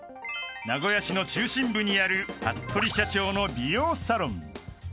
［名古屋市の中心部にある服部社長の美容サロン］